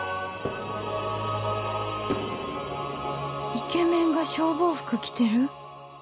・イケメンが消防服着てる？